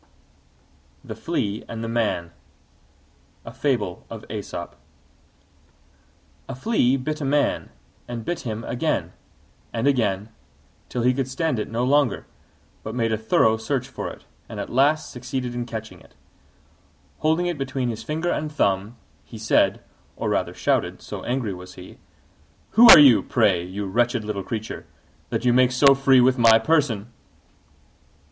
THE FLEA AND THE MAN A Flea bit a Man, and bit him again, and again, till he could stand it no longer, but made a thorough search for it, and at last succeeded in catching it. Holding it between his finger and thumb, he said or rather shouted, so angry was he "Who are you, pray, you wretched little creature, that you make so free with my person?"